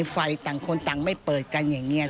ไฟต่างคนต่างไม่เปิดกันอย่างนี้